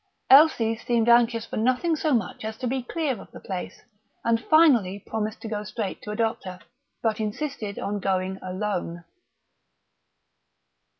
Elsie seemed anxious for nothing so much as to be clear of the place, and finally promised to go straight to a doctor, but insisted on going alone.